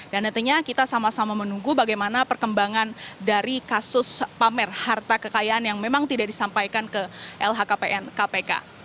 dan nantinya kita sama sama menunggu bagaimana perkembangan dari kasus pamer harta kekayaan yang memang tidak disampaikan ke lhkpn kpk